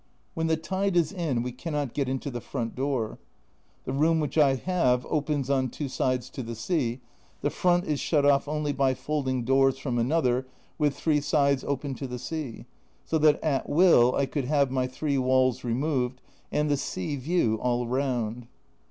When the tide is in we cannot get into the front door ! The room which I have opens on two sides to the sea, the front is shut off only by folding doors from another with three sides open to the sea, so that at will I could have my three walls removed and the sea view all round.